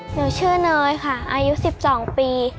หนูชื่อเนยค่ะอายุ๑๒ปี